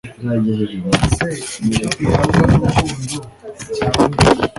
se icyo ihabwa n ukuboko kwawe ni iki